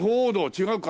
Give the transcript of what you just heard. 違うか。